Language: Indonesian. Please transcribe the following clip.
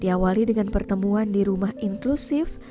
diawali dengan pertemuan di rumah inklusif